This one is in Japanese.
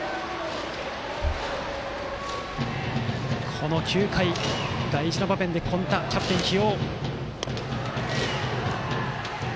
この９回、大事な場面で今田キャプテンを起用。